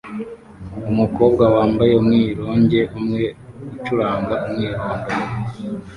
Umukobwa wambaye umwironge umwe ucuranga umwirondoro